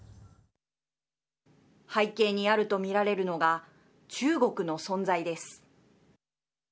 背景にあると見られるのが中国の存在です。